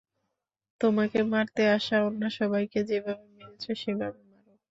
তোমাকে মারতে আসা অন্য সবাইকে যেভাবে মেরেছো সেভাবে মারো।